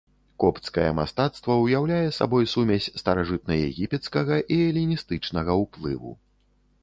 Копцкае мастацтва ўяўляе сабой сумесь старажытнаегіпецкага і эліністычнага ўплыву.